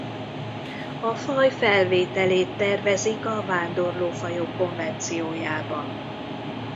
A faj felvételét tervezik a Vándorló fajok konvenciójába.